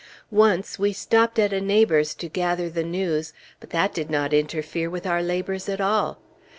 Once we stopped at a neighbor's to gather the news, but that did not interfere with our labors at all.